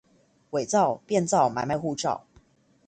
偽造、變造、買賣護照